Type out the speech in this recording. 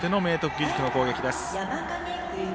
義塾の攻撃です。